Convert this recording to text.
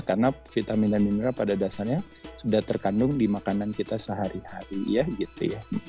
karena vitamin dan mineral pada dasarnya sudah terkandung di makanan kita sehari hari ya gitu ya